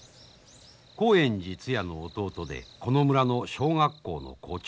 興園寺つやの弟でこの村の小学校の校長。